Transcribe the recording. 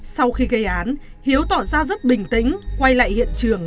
sau khi gây án hiếu tỏ ra rất bình tĩnh